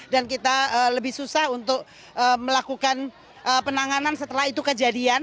dan kita lebih susah untuk melakukan penanganan setelah itu kejadian